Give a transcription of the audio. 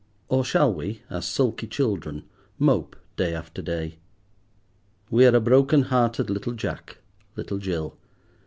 Or shall we, as sulky children, mope day after day? We are a broken hearted little Jack—little Jill.